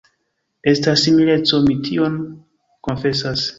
Estas simileco; mi tion konfesas.